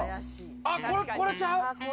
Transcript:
あっ、これちゃう？